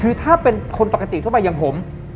คือถ้าเป็นคนปกติทั่วไปอย่างผม